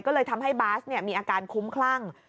ก็เลยทำให้บาสมีอาการคุ้มคลั่ง